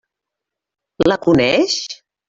La coneix?